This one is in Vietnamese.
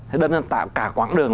thế đương nhiên tạo cả quãng đường